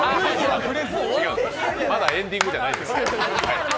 まだエンディングじゃないです。